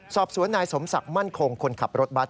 สอบสวนนายสมศักดิ์มั่นคงคนขับรถบัตร